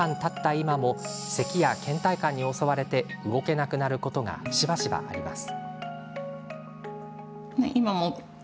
今もせきや、けん怠感に襲われて動けなくなることがしばしばあります。